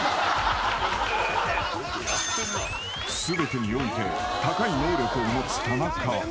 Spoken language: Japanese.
［全てにおいて高い能力を持つ田中］